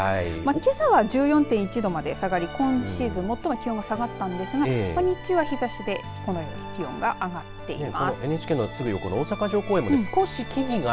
けさは１４．１度まで下がり今シーズン最も気温が下がったんですが日中は日ざしでこのように気温が上がってます。